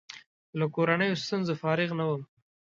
له کورنیو ستونزو فارغ نه وم.